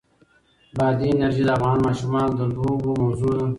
بادي انرژي د افغان ماشومانو د لوبو موضوع ده.